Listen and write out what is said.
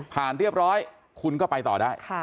เรียบร้อยคุณก็ไปต่อได้